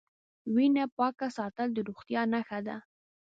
وینه پاکه ساتل د روغتیا نښه ده.